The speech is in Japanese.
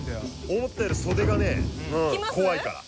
思ったより袖がね怖いから。